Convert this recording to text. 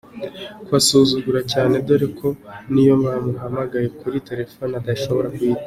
kubasuzugura cyane dore ko niyo bamuhamagaye kuri telefone adashobora.